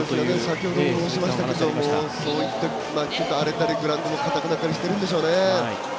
先ほども申しましたけどそういった荒れたりグラウンドもかたくなったりしているんでしょうね。